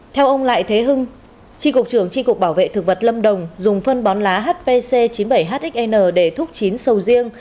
theo ông lại thế hưng tri cục trưởng tri cục bảo vệ thực vật lâm đồng dùng phân bón lá hpc chín mươi bảy hxn để thuốc chín sầu riêng